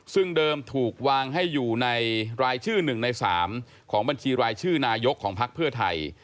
ซึ่งเดิมถูกวางให้อยู่ในรายชื่อ๑ใน๓ของบัญชีรายชื่อนายกของพักเพื่อไทย